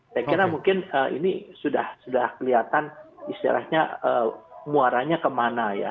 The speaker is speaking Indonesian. saya kira mungkin ini sudah kelihatan istilahnya muaranya kemana ya